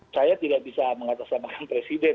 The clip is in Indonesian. saya tidak bisa mengatasnamakan presiden